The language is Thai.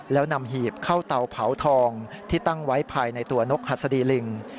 แล้วนำหีบเข้าเตาเผาทองที่ตั้งไว้ภายในตัวนกหัสดีลิง